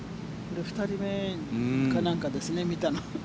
２人目かなんかですね、見たの。